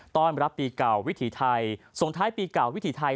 ต้อนรับปีเก่าวิถีไทยส่งท้ายปีเก่าวิถีไทย